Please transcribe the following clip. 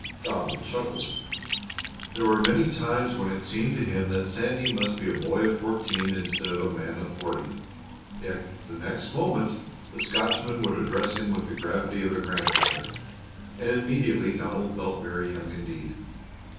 Donald chuckled. There were many times when it seemed to him that Sandy must be a boy of fourteen instead of a man of forty; yet the next moment the Scotchman would address him with the gravity of a grandfather, and immediately Donald felt very young indeed.